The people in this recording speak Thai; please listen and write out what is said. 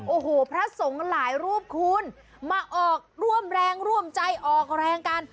โอ้โหพระสงฆ์หลายรูปคุณมาออกร่วมแรงร่วมใจออกแรงกัน